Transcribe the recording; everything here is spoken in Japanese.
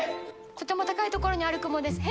とても高い所にある雲です。